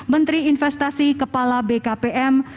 menteri investasi kepala bkpm